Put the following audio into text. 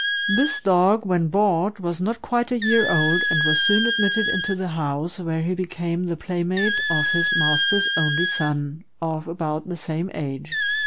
This dog, when bought, was not quite a year old, and was soon admitted into the house, where he became the playmate of his master's only son, of about the same age.